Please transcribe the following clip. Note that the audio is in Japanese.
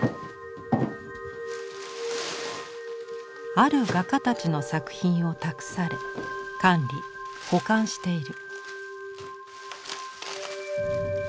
ある画家たちの作品を託され管理保管している。